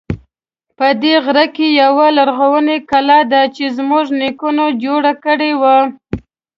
په دې غره کې یوه لرغونی کلا ده چې زمونږ نیکونو جوړه کړی و